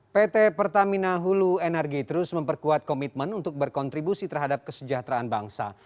pt pertamina hulu energi terus memperkuat komitmen untuk berkontribusi terhadap kesejahteraan bangsa